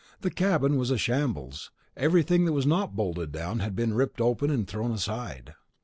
The cabin was a shambles. Everything that was not bolted down had been ripped open and thrown aside.